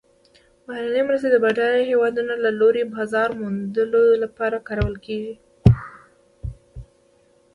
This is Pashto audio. بهرنۍ مرستې د بډایه هیوادونو له لوري بازار موندلو لپاره کارول کیږي.